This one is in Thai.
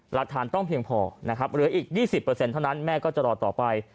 หลักฐานต้องเพียงพอหรืออีก๒๐เปอร์เซ็นต์เท่านั้นแม่ก็จะรอต่อไป